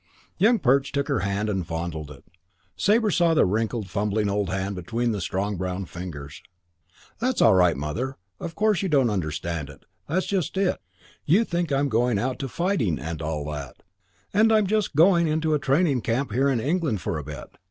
Young Perch took her hand and fondled it. Sabre saw the wrinkled, fumbling old hand between the strong brown fingers. "That's all right, Mother. Of course, you don't understand it. That's just it. You think I'm going out to fighting and all that. And I'm just going into a training camp here in England for a bit.